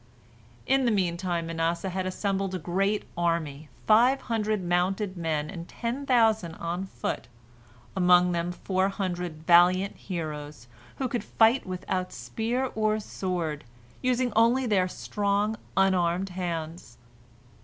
In the meantime Manasseh had assembled a great army, five hundred mounted men and ten thousand on foot, among them four hundred valiant heroes, who could fight without spear or sword, using only their strong, unarmed hands.